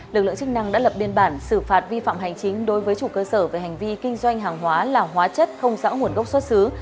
lực lượng chức năng đã lập biên bản xử phạt vi phạm hành chính đối với chủ cơ sở về hành vi kinh doanh hàng hóa là hóa chất không rõ nguồn gốc xuất xứ